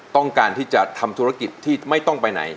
ต้องการที่จะทำธุรกิจที่ไม่ต้องไปไหน